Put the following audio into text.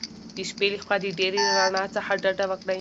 د شپې له خوا د ډېرې رڼا څخه ډډه وکړئ.